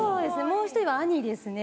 もう１人は兄ですね。